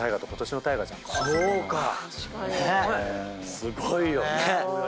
すごいよね。